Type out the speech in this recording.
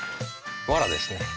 わらですね。